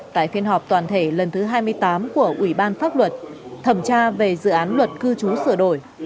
tại phiên họp toàn thể lần thứ hai mươi tám của ủy ban pháp luật thẩm tra về dự án luật cư trú sửa đổi